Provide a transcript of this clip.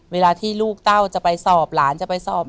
เวลาที่ลูกเต้าจะไปสอบหลานจะไปสอบ